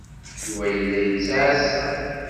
Yuba yella yettɛassa.